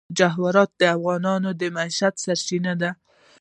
جواهرات د افغانانو د معیشت سرچینه ده.